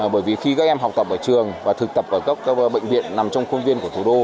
bởi vì khi các em học tập ở trường và thực tập ở các bệnh viện nằm trong khuôn viên của thủ đô